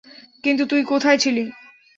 কিন্তু তুই কোথায় ছিলি?